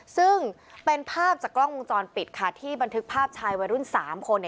ซึ่งเป็นภาพจากกล้องวงจรปิดค่ะที่บันทึกภาพชายวัยรุ่น๓คน